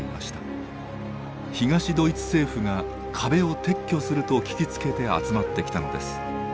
東ドイツ政府が壁を撤去すると聞きつけて集まってきたのです。